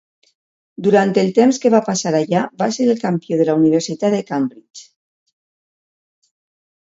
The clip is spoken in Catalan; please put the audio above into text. Durant el temps que va passar allà, va ser el campió de la Universitat de Cambridge.